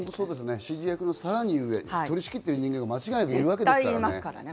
指示役のさらに上、取り仕切っている人間がいるわけですからね。